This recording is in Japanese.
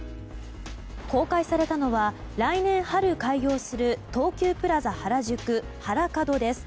公開されたのは来年春開業する東急プラザ原宿ハラカドです。